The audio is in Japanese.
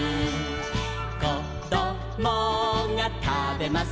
「こどもがたべます